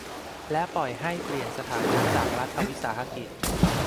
และปล่อยให้เปลี่ยนสถานะจากรัฐวิสาหกิจ